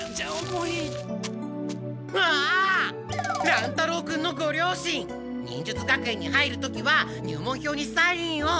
乱太郎君のご両親忍術学園に入る時は入門票にサインを！